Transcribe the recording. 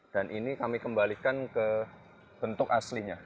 dan ini kami kembalikan ke bentuk aslinya